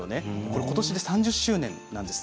ことしで３０周年なんです。